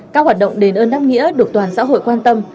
các hoạt động đền ơn đáp nghĩa được toàn xã hội quan tâm